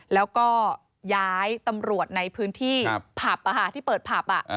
แล้วก็ย้ายตำรวจในพื้นที่ผับที่เปิดผับ